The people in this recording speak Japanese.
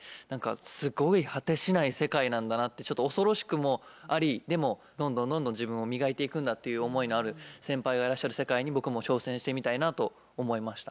すごい果てしない世界なんだなってちょっと恐ろしくもありでもどんどんどんどん自分を磨いていくんだっていう思いのある先輩がいらっしゃる世界に僕も挑戦してみたいなと思いました。